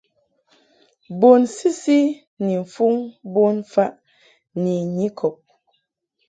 Bun sisi ni mfuŋ bonfaʼ ni nyikɔb.